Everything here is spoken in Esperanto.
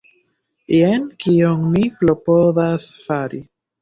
Jen kion mi klopodas fari.